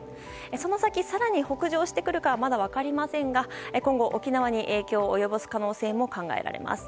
その先、更に北上してくるかはまだ分かりませんが今後、沖縄に影響を及ぼす可能性も考えられます。